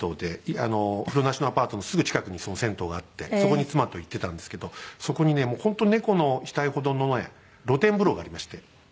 風呂なしのアパートのすぐ近くにその銭湯があってそこに妻と行ってたんですけどそこにねもう本当に猫の額ほどのね露天風呂がありまして。